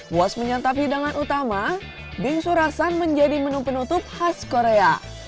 buas menyatap hidangan utama bingsu rasan menjadi menu penutup khas korea